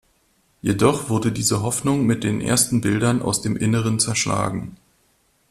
Jedoch wurde diese Hoffnung mit den ersten Bildern aus dem Inneren zerschlagen.